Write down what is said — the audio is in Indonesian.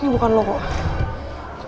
ini bukan lo kok